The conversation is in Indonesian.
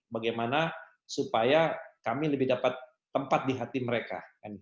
bagaimana supaya kami lebih dapat tempat di hati mereka